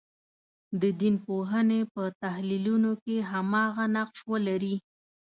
د دین پوهنې په تحلیلونو کې هماغه نقش ولري.